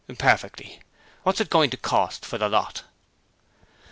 'Perfectly. What's it going to cost for the lot?'